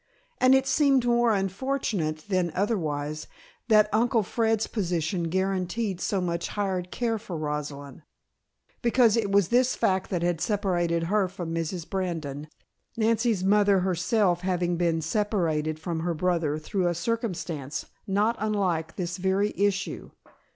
And it seemed more unfortunate than otherwise, that Uncle Fred's position guaranteed so much hired care for Rosalind, because it was this fact that had separated her from Mrs. Brandon, Nancy's mother herself having been separated from her brother through a circumstance not unlike this very issue.